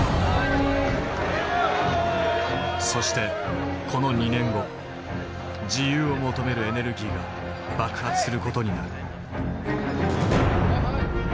そしてこの２年後自由を求めるエネルギーが爆発する事になる。